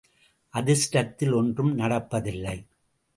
அதிர்ஷ்டத்தில் ஒன்றும் நடப்பதில்லை!